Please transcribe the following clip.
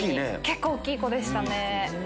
結構大きい子でしたね。